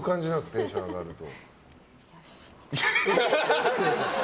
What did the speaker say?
テンション上がると。